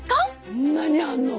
こんなにあんの？